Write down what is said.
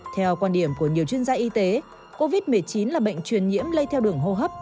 theo quan điểm của nhiều chuyên gia y tế covid một mươi chín là bệnh truyền nhiễm lây theo đường hô hấp